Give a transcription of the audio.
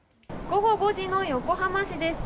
午後５時の横浜市です。